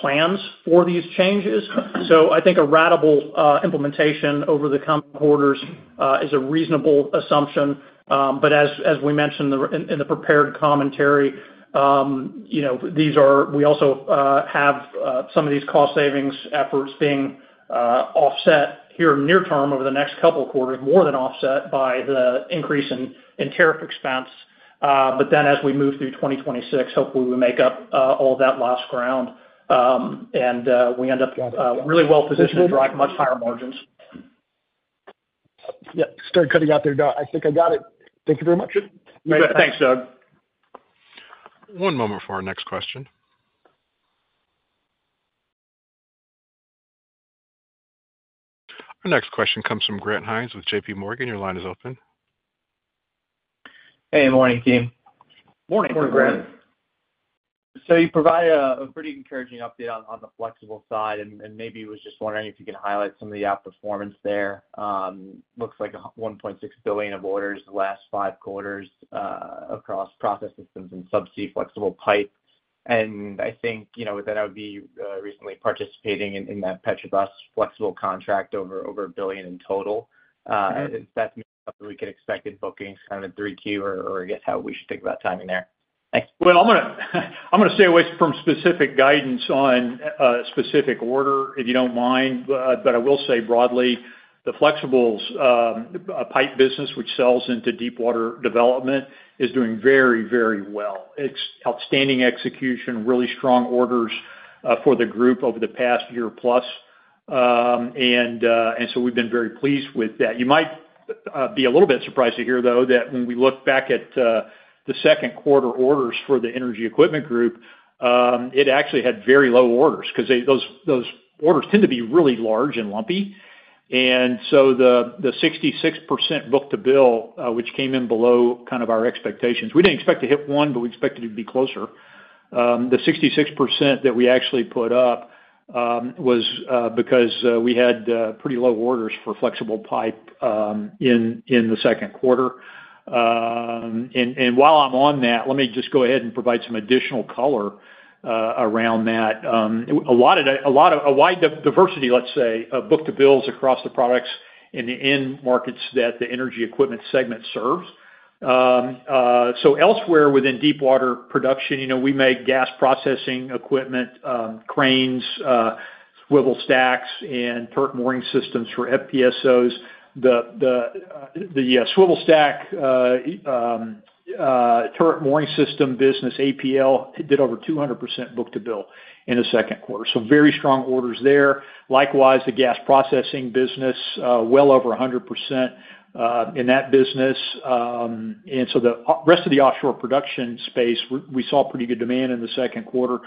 plans for these changes. I think a ratable implementation over the coming quarters is a reasonable assumption. As we mentioned in the prepared commentary, we also have some of these cost savings efforts being offset here near term over the next couple quarters, more than offset by the increase in tariff expense. As we move through 2026, hopefully we make up all that lost ground and we end up really well positioned to drive much higher margins. I think I got it. Thank you very much. Thanks, Doug. One moment for our next question. Our next question comes from Grant Hanes with JPMorgan Securities. Your line is open. Hey, morning team. Morning, Grant. You provide a pretty encouraging update on the flexible side and maybe was just wondering if you could highlight some of the outperformance. There looks like $1.6 billion of orders the last five quarters across process systems and subsea flexible pipe. I think you know that I would be recently participating in that Petrobras flexible contract. Over $1 billion in total is that we could expect in bookings kind of in 3Q or I guess how we should think about timing there. Thanks. I'm going to stay away from specific guidance on specific order if you don't mind. I will say broadly the flexibles pipe business, which sells into deepwater development, is doing very, very well. Outstanding execution, really strong orders for the group over the past year plus, and we've been very pleased with that. You might be a little bit surprised to hear though that when we look back at the second quarter orders for the energy equipment group, it actually had very low orders because those orders tend to be really large and lumpy. The 66% book to bill, which came in below kind of our expectations, we didn't expect to hit one, but we expected it to be closer. The 66% that we actually put up was because we had pretty low orders for flexible pipe in the second quarter. While I'm on that, let me just go ahead and provide some additional color around that. A lot of a wide diversity, let's say, book to bills across the products in the end markets that the energy equipment segment serves. Elsewhere within deepwater production, you know, we make gas processing equipment, cranes, swivel stacks, and turret mooring systems for FPSOs. The swivel stack turret mooring system business, APL, did over 200% book to bill in the second quarter, so very strong orders there. Likewise, the gas processing business, well over 100% in that business. The rest of the offshore production space, we saw pretty good demand in the second quarter.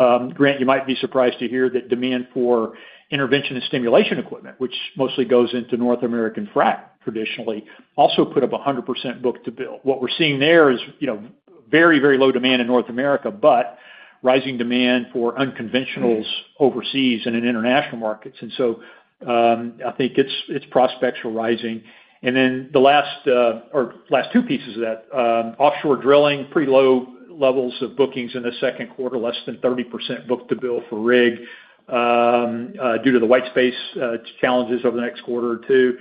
You might be surprised to hear that demand for intervention and stimulation equipment, which mostly goes into North American frac, traditionally also put up 100% book to bill. What we're seeing there is very, very low demand in North America, but rising demand for unconventionals overseas and in international markets. I think its prospects are rising. The last or last two pieces of that offshore drilling, pretty low levels of bookings in the second quarter, less than 30% book to bill for rig due to the white space challenges over the next quarter or two.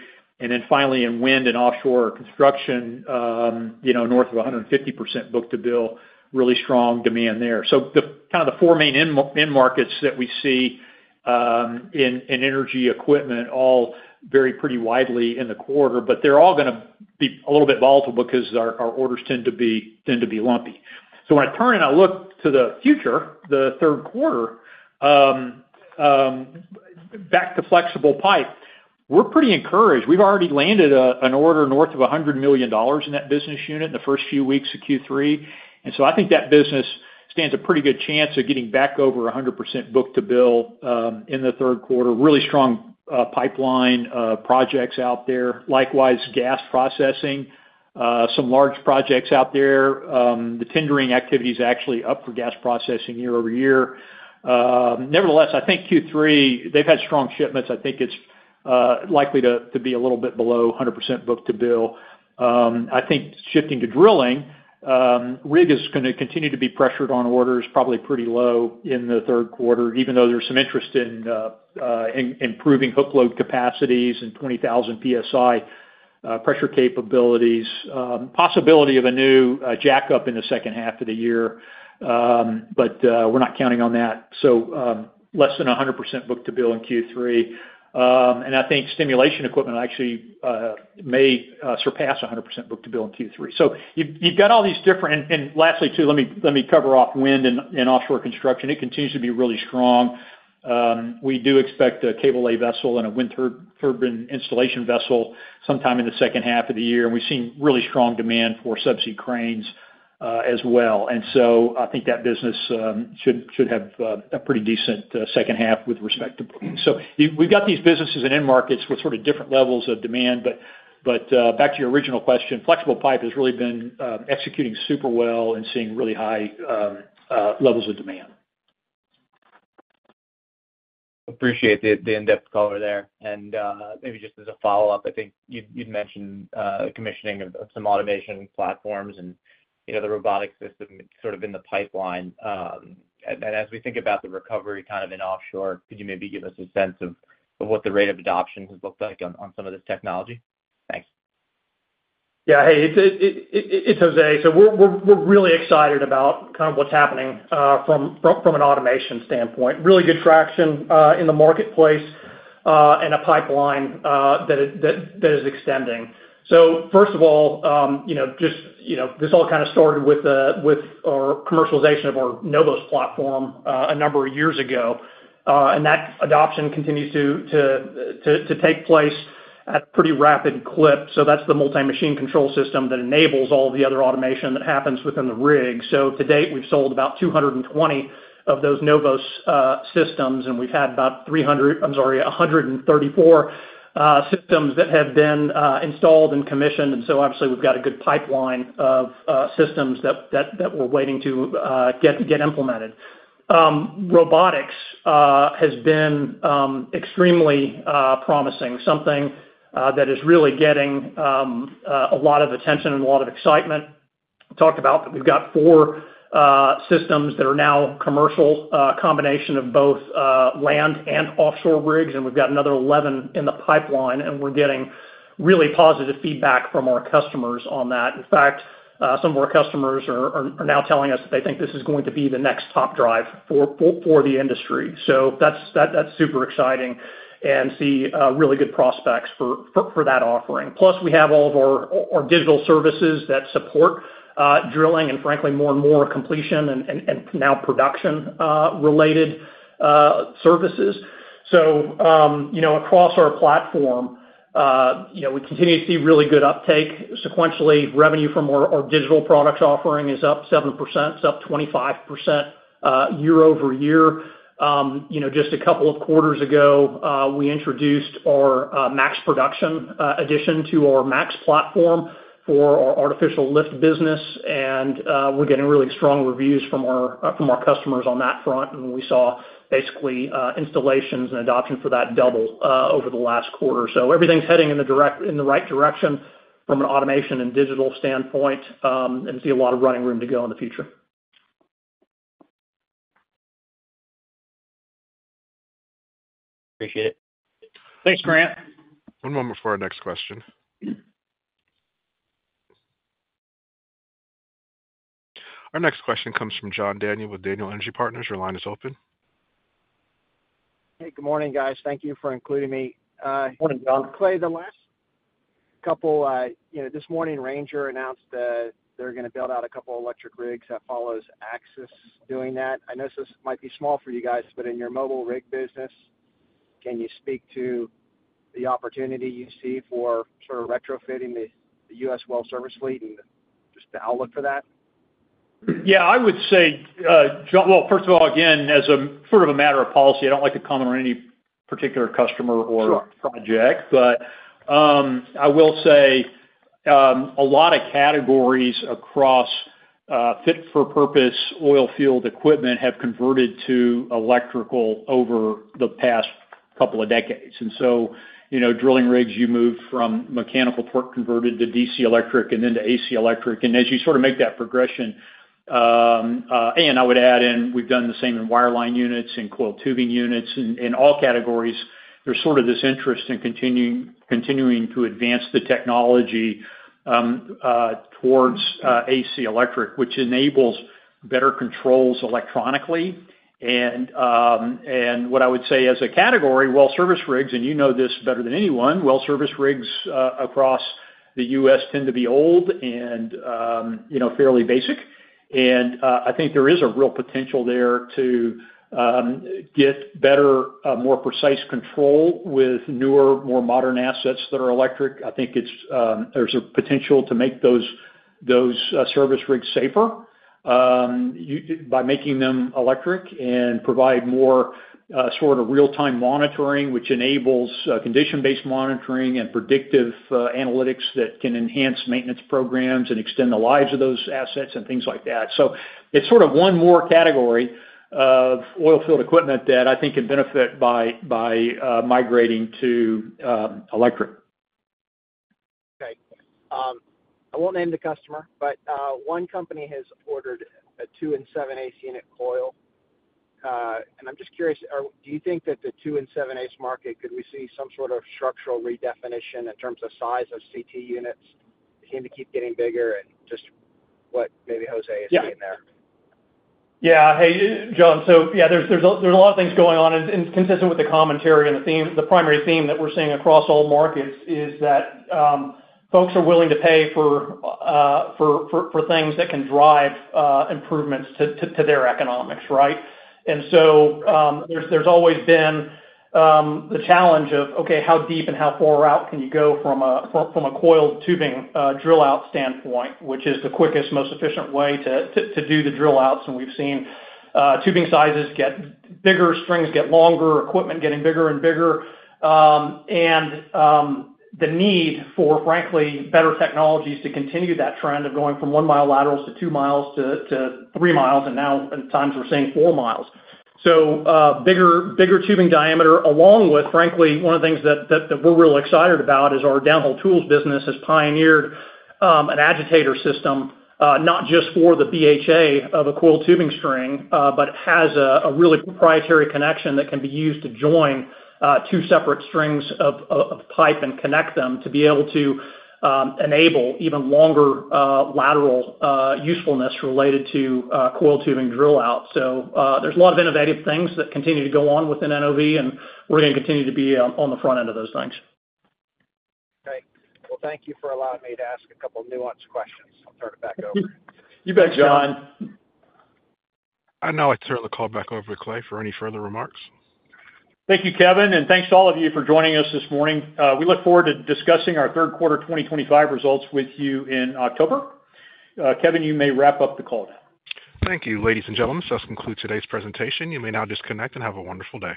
Finally, in wind and offshore construction, north of 150% book to bill, really strong demand there. The four main end markets that we see in energy equipment all vary pretty widely in the quarter, but they're all going to be a little bit volatile because our orders tend to be lumpy. When I turn and I look to the future, the third quarter back to flexible pipe, we're pretty encouraged. We've already landed an order north of $100 million in that business unit in the first few weeks of Q3. I think that business stands a pretty good chance of getting back over 100% book to bill in the third quarter. Really strong pipeline projects out there. Likewise, gas processing, some large projects out there. The tendering activity is actually up for gas processing year over year. Nevertheless, I think Q3 they've had strong shipments. I think it's likely to be a little bit below 100% book to bill. I think shifting to drilling rig is going to continue to be pressured on orders, probably pretty low in the third quarter even though there's some interest in improving hook load capacities and 20,000 psi pressure capabilities. Possibility of a new jackup in the second half of the year, but we're not counting on that. Less than 100% book to bill in Q3, and I think stimulation equipment actually may surpass 100% book to bill in Q3. You've got all these different. Lastly, let me cover off wind and offshore construction. It continues to be really strong. We do expect a cable, a vessel, and a wind turbine installation vessel sometime in the second half of the year. We've seen really strong demand for subsea cranes as well. I think that business should have a pretty decent second half with respect to bookings. We've got these businesses and end markets with sort of different levels of demand. Back to your original question, flexible pipe has really been executing super well and seeing really high levels of demand. Appreciate the in-depth color there. Maybe just as a follow up, I think you'd mentioned commissioning of some automation platforms and the robotic system sort of in the pipeline. As we think about the recovery in offshore, could you maybe give us a sense of what the rate of adoption has looked like on some of this technology? Thanks. Yeah. Hey, it's Jose. We're really excited about what's happening from an automation standpoint. Really good traction in the marketplace and a pipeline that is extending. First of all, this all started with our commercialization of our NOVOS platform a number of years ago and that adoption continues to take place at a pretty rapid clip. That's the multi-machine control system that enables all the other automation that happens within the rig. To date, we sold about 220 of those NOVOS systems and we've had about 134 systems that have been installed and commissioned. Obviously, we've got a good pipeline of systems that we're waiting to get implemented. Robotics has been extremely promising, something that is really getting a lot of attention and a lot of excitement. We've got four systems that are now commercial, a combination of both land and offshore rigs, and we've got another 11 in the pipeline. We're getting really positive feedback from our customers on that. In fact, some of our customers are now telling us they think this is going to be the next top drive for the industry. That's super exciting to see, really good prospects for that offering. Plus we have all of our digital services that support drilling and, frankly, more and more completion and now production-related services. You know, across our platform, you. We continue to see really good uptake. Sequentially, revenue from our digital products offering is up 7%. It's up 25% year over year. Just a couple of quarters ago, we introduced our MAX production addition to our MAX data platform for our artificial lift business. We're getting really strong reviews from our customers on that front, and we saw installations and adoption for that basically double over the last quarter. Everything's heading in the right direction from an automation and digital standpoint, and we see a lot of running room to go in the future. Appreciate it. Thanks, Grant. One moment for our next question. Our next question comes from John Daniel with Daniel Energy Partners. Your line is open. Good morning, guys. Thank you for including me, Clay. This morning Ranger announced that they're going to build out a couple electric rigs. That follows out. I know this might be small for you guys, but in your mobile rig business, can you speak to the opportunity you see for sort of retrofitting the U.S. well service fleet and just the outlook for that? I would say, first of all, as a matter of policy, I don't like to comment on any particular customer or project, but I will say a lot of categories across fit-for-purpose oil field equipment have converted to electrical over the past couple of decades. Drilling rigs moved from mechanical, converted to DC electric, and then to AC electric. As you make that progression, I would add in we've done the same in wireline units and coiled tubing units in all categories. There's interest in continuing to advance the technology towards AC electric, which enables better controls electronically. As a category, well service rigs—and you know this better than anyone—well service rigs across the U.S. tend to be old and fairly basic. I think there is a real potential there to get better, more precise control with newer, more modern assets that are electric. I think there's a potential to make those service rigs safer by making them electric and provide more real-time monitoring, which enables condition-based monitoring and predictive analytics that can enhance maintenance programs and extend the lives of those assets and things like that. It's one more category of oil field equipment that I think can benefit by migrating to electric. Okay, I won't name the customer, but one company has ordered a 2.875 unit coil. I'm just curious, do you think that the 2.875 market, could we see some sort of structural redefinition in terms of size of CT? Units seem to keep getting bigger and just what maybe Jose is saying there. Yeah. Hey, John. Yeah, there's a lot of things going on consistent with the commentary and the theme. The primary theme that we're seeing across all markets is that folks are willing to pay for things that can drive improvements to their economics. Right. There has always been the challenge of okay, how deep and how far out can you go from a coiled tubing drill out standpoint, which is the quickest, most efficient way to do the drill outs. We've seen tubing sizes get bigger. Strings get longer, equipment getting bigger. Bigger, and the need for frankly better technologies to continue that trend of going from one mile laterals to two miles to three miles. Now at times we're seeing four miles. Bigger tubing diameter, along with frankly, one of the things that we're really excited about is our downhole tools business has pioneered an agitator system not just for the BHA of a coiled tubing string, but has a really proprietary connection that can be used to join two separate strings of pipe and connect them to be able to enable even longer lateral usefulness related to coil tubing drill out. There are a lot of innovative things that continue to go on within NOV. We're going to continue to be on the front end of those things. Thank. you for allowing me to ask a couple nuanced questions. I'll turn it back over. You bet, John. I turn the call back over to Clay for any further remarks. Thank you, Kevin. Thanks to all of you for joining us this morning. We look forward to discussing our third quarter 2025 results with you in October. Kevin, you may wrap up the call now. Thank you. Ladies and gentlemen, that concludes today's presentation. You may now disconnect and have a wonderful day.